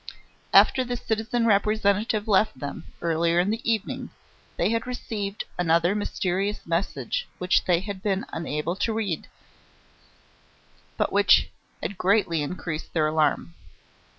After the citizen Representative left them, earlier in the evening, they had received another mysterious message which they had been unable to read, but which had greatly increased their alarm.